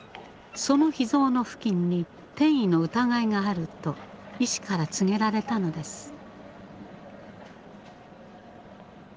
そのひ臓の付近に転移の疑いがあると医師から告げられたのです。